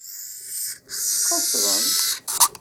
Sxeṣren-t.